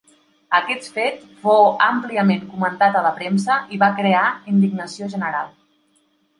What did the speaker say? Aquest fet fou àmpliament comentat a la premsa i va crear indignació general.